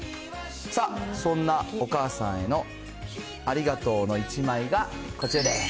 さあ、そんなお母さんへのありがとうの１枚がこちらです。